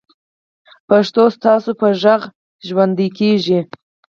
پښتو ستاسو په غږ ژوندۍ کېږي.